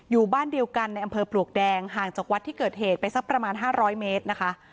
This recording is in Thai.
อยู่บ้านเดียวกันในอำเภอปลวกแดงห่างจากวัดที่เกิดเหตุไปสักประมาณ๕๐๐เมตรนะคะ